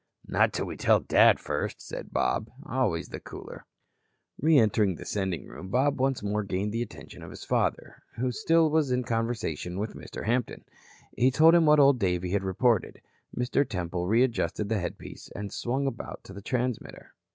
"Not till we tell Dad, first," said Bob, as always the cooler. Re entering the sending room, Bob once more gained the attention of his father, who still was in conversation with Mr. Hampton. He told him what Old Davey had reported. Mr. Temple readjusted the headpiece and swung about to the transmitter.